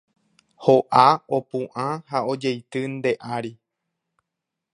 Ho'a, opu'ã ha ojeity nde ári